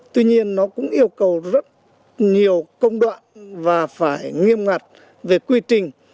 tuy nhiên nó cũng yêu cầu rất nhiều công đoạn và phải nghiêm ngặt về quy trình